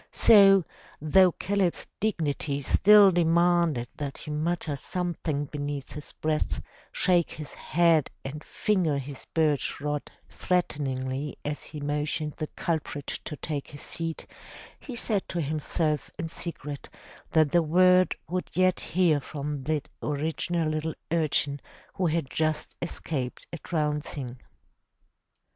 So, though Caleb's dignity still demanded that he mutter something beneath his breath, shake his head and finger his birch rod threateningly as he motioned the culprit to take his seat, he said to himself in secret that the world would yet hear from that original little ur chin who had just escaped a trouncing.